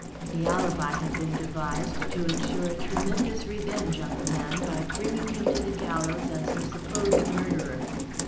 The alibi had been devised to ensure a tremendous revenge on the man by bringing him to the gallows as her supposed murderer.